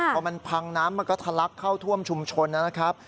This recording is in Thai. พอมันพังน้ำมันก็ทะลักเข้าท่วมชุมชนนะครับ